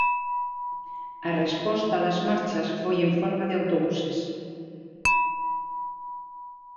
A resposta das Marchas foi en forma de autobuses.